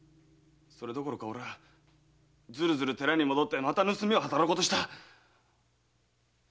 それどころかずるずる寺に戻りまた盗みを働こうとした。